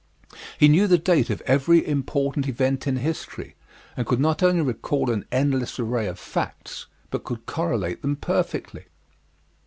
He knew the date of every important event in history, and could not only recall an endless array of facts but could correlate them perfectly.